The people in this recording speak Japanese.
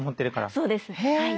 そうですはい。